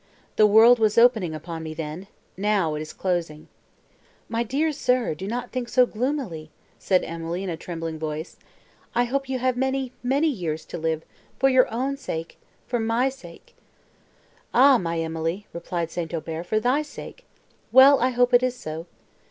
The world was opening upon me then, now—it is closing." "My dear sir, do not think so gloomily," said Emily in a trembling voice, "I hope you have many, many years to live—for your own sake—for my sake." "Ah, my Emily!" replied St. Aubert, "for thy sake! Well—I hope it is so."